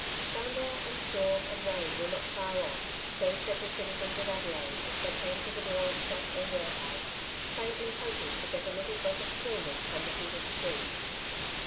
'' Thunder, and storm, and rain were not far off,'^ so said the citizens of Adelaide, as they came to the door of shop or warehouse, faintly hoping to get a little breath of coolness from the heated streets.